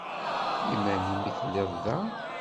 I iman-im i telliḍ da?